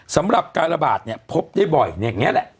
สำหรับการระบาดเนี่ยพบได้บ่อยอย่างนี้แหละ